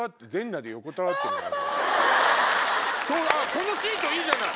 このシートいいじゃない！